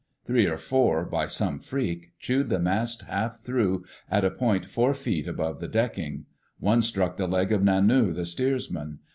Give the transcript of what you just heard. Three or four, by some freak, chewed the mast half through at a point four feet above the decking. One struck the leg of Nanu, the steersman.